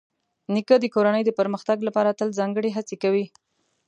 نیکه د کورنۍ د پرمختګ لپاره تل ځانګړې هڅې کوي.